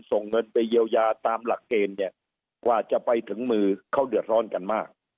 ส่งเงินไปเยียวยาตามหลักเกณฑ์เนี่ยกว่าจะไปถึงมือเขาเดือดร้อนกันมาก